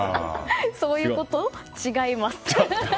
そういうこと？違います。